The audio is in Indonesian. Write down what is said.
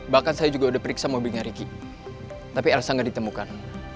bahkan saya juga udah periksa mobilnya ricky tapi elsa gak ditemukan